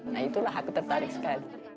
nah itulah aku tertarik sekali